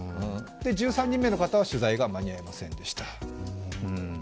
１３人目の方は取材が間に合いませんでした。